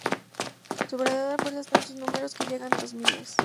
Su verdadera fuerza está en sus números, que llegan a los miles.